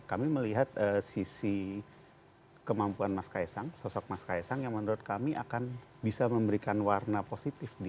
kami melihat sisi kemampuan mas kaisang sosok mas kaisang yang menurut kami akan bisa memberikan warna positif di